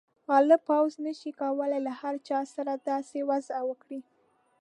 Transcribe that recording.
غالب پوځ نه شي کولای له هر چا سره داسې وضعه وکړي.